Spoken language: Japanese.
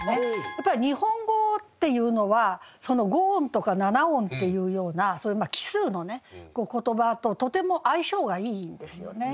やっぱり日本語っていうのはその５音とか７音っていうようなそういう奇数の言葉ととても相性がいいんですよね。